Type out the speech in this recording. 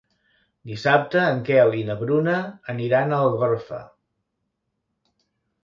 Dissabte en Quel i na Bruna aniran a Algorfa.